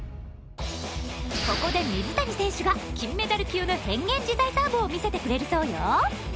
ここで、水谷選手が金メダル級の変幻自在サーブを見せてくれるそうよ。